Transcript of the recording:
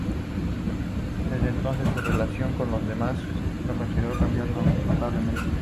Desde entonces, su relación con los demás y consigo mismo cambiará notablemente.